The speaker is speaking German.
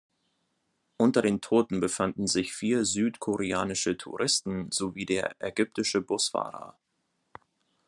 Unter den Toten befanden sich vier südkoreanische Touristen sowie der ägyptische Busfahrer.